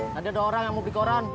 tadi ada orang yang mau di koran